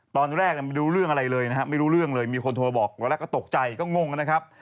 ตอนแรกไม่รู้เรื่องอะไรเลยนะฮะไม่รู้เรื่องเลยมีคนโทรบอกวันแรกก็ตกใจก็งงนะครับ